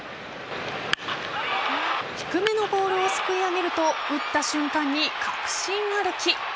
低めのボールをすくい上げると打った瞬間に確信歩き。